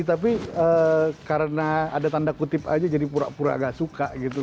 tapi karena ada tanda kutip aja jadi pura pura agak suka gitu